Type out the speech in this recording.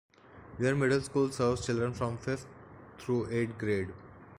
Weare Middle School serves children from fifth through eighth grade.